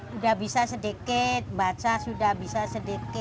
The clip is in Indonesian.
sudah bisa sedikit baca sudah bisa sedikit